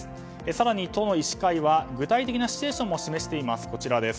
更に、都の医師会は具体的なシチュエーションも示しています。